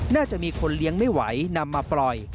น่าจะมีคนเลี้ยงไม่ไหวนำมาปล่อย